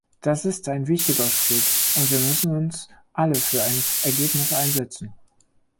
Das ist ein wichtiger Schritt, und wir müssen uns alle für ein Ergebnis einsetzen.